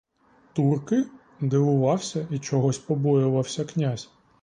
Турки?—дивувався і чогось побоювався князь.